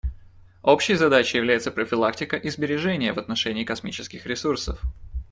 Общей задачей является профилактика и сбережение в отношении космических ресурсов.